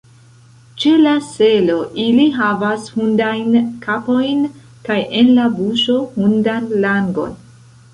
Ĉe la selo ili havas hundajn kapojn kaj en la buŝo hundan langon!